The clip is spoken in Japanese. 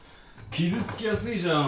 傷つきやすいじゃん。